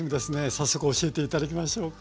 早速教えて頂きましょうか。